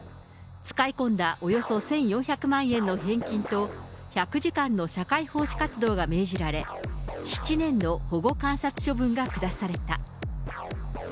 使い込んだおよそ１４００万円の返金と、１００時間の社会奉仕活動が命じられ、７年の保護観察処分が下された。